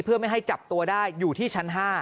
เพื่อไม่ให้จับตัวได้อยู่ที่ชั้น๕